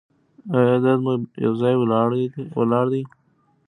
ایا درد مو یو ځای ولاړ دی؟